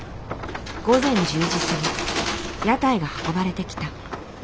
午前１０時過ぎ屋台が運ばれてきた。